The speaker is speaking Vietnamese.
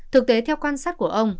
thực tế theo quan sát của ông